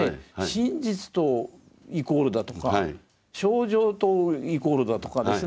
真実とイコールだとか清浄とイコールだとかですね